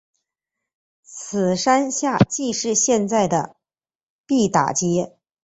此山下即是现在的毕打街。